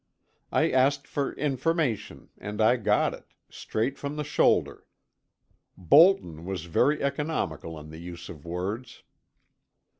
I asked for information, and I got it, straight from the shoulder. Bolton was very economical in the use of words.